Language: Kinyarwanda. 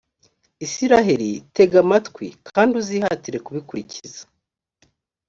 israheli, tega amatwi kandi uzihatire kubikurikiza,